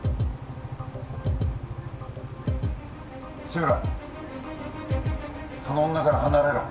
志村